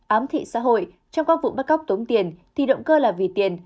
ám thị xã hội trong các vụ bắt cóc tống tiền thì động cơ là vì tiền